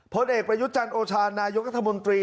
ผลเอกประยุทธ์จันทร์โอชานายกรัฐมนตรี